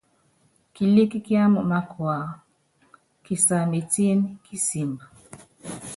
Kilik kiámɛ mákua, kisa métiin kisimb.